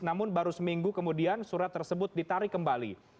namun baru seminggu kemudian surat tersebut ditarik kembali